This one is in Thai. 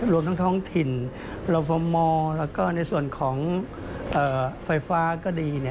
รวมทั้งถิ่นลาวฟอร์มอลและก็ในส่วนของไฟฟ้าก็ดี